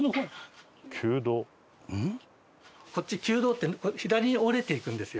こっち旧道って左に折れていくんですよ。